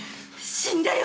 死んでよ！